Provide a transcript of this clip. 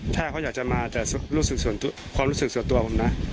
ถ้าเขาอยากจะมาแต่รู้สึกความรู้สึกส่วนตัวผมนะ